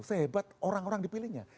sehebat orang orang dipilihnya